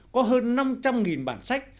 có hơn năm trăm linh bản sách